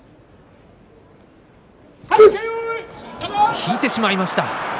引いてしまいました。